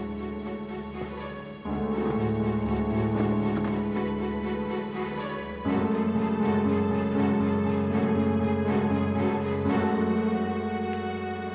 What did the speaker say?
baja gak ada disini